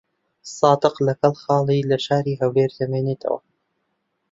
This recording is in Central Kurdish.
سادق لەگەڵ خاڵی لە شاری هەولێر دەمێنێتەوە.